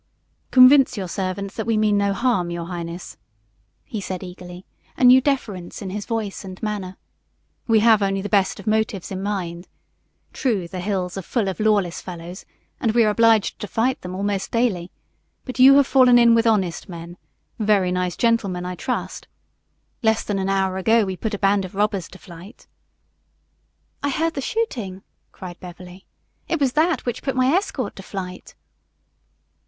"Convince your servant that we mean no harm, your highness," he said eagerly, a new deference in his voice and manner. "We have only the best of motives in mind. True, the hills are full of lawless fellows and we are obliged to fight them almost daily, but you have fallen in with honest men very nice gentlemen, I trust. Less than an hour ago we put a band of robbers to flight " "I heard the shooting," cried Beverly. "It was that which put my escort to flight."